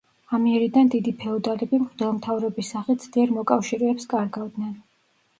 ამიერიდან დიდი ფეოდალები მღვდელმთავრების სახით ძლიერ მოკავშირეებს კარგავდნენ.